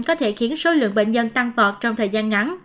có thể khiến số lượng bệnh nhân tăng vọt trong thời gian ngắn